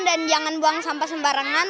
dan jangan buang sampah sembarangan